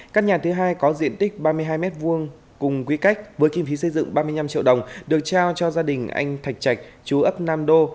căn nhà thứ hai có diện tích ba mươi hai m hai cùng quy cách với kinh phí xây dựng ba mươi năm triệu đồng được trao cho gia đình anh thạch trạch chú ấp nam đô